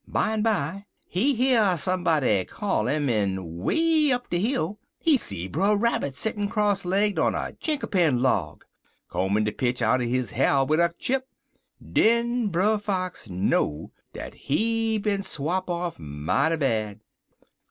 Bimeby he hear somebody call 'im, en way up de hill he see Brer Rabbit settin' crosslegged on a chinkapin log koamin' de pitch outen his har wid a chip. Den Brer Fox know dat he bin swop off mighty bad.